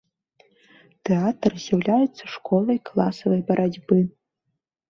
Тэатр з'яўляецца школай класавай барацьбы.